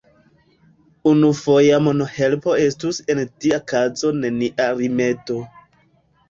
Unufoja monhelpo estus en tia kazo nenia rimedo.